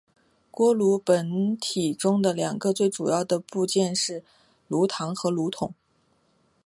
锅炉本体中两个最主要的部件是炉膛和锅筒。